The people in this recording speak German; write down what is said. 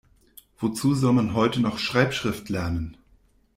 Wozu soll man heute noch Schreibschrift lernen?